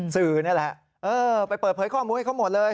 สื่อนี่แหละไปเปิดเผยข้อมูลให้เขาหมดเลย